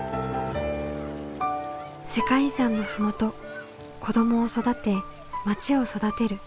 世界遺産の麓子どもを育てまちを育てる。